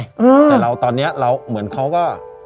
แต่เราตอนนี้เราเหมือนเขาก็